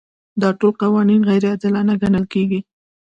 دا ټول قوانین غیر عادلانه ګڼل کیږي.